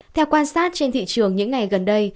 theo quan sát trên thị trường những ngày gần đây